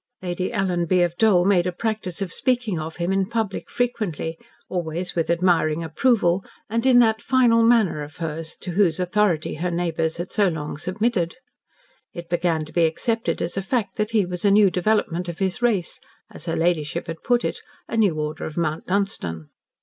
Lady Alanby of Dole made a practice of speaking of him in public frequently, always with admiring approval, and in that final manner of hers, to whose authority her neighbours had so long submitted. It began to be accepted as a fact that he was a new development of his race as her ladyship had put it, "A new order of Mount Dunstan."